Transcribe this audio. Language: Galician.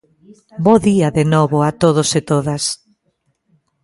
Bo día de novo a todos e todas.